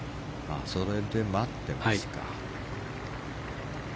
それで待ってますか。